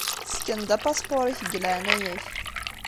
Ssken-d apaspuṛ-ik deg leɛnaya-k.